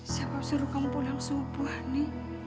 siapa suruh kamu pulang subuh ini